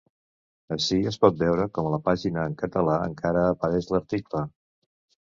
Ací es pot veure com en la pàgina en català encara apareix l’article.